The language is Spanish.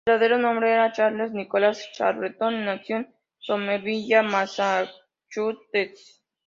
Su verdadero nombre era Charles Nicholas Carleton, y nació en Somerville, Massachusetts.